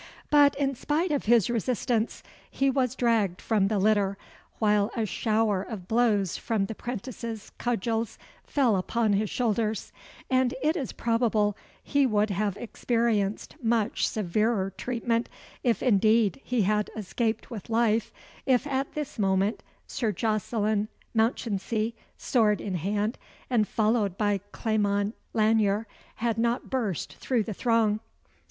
But, in spite of his resistance, he was dragged from the litter, while a shower of blows from the 'prentices cudgels fell upon his shoulders; and it is probable he would have experienced much severer treatment, if indeed he had escaped with life, if at this moment Sir Jocelyn Mounchensey, sword in hand and followed by Clement Lanyere, had not burst through the throng.